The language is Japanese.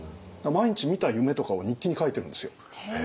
毎日見た夢とかを日記に書いているんですよ。